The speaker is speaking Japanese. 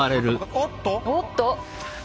おっと。